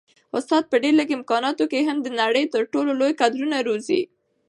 استاد په ډېر لږ امکاناتو کي هم د نړۍ تر ټولو لوی کدرونه روزي.